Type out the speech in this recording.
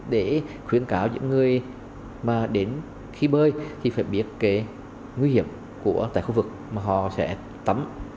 để khuyến cáo những người mà đến khi bơi thì phải biết cái nguy hiểm tại khu vực mà họ sẽ tắm